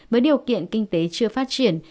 với điều kiện kinh tế chưa phát triển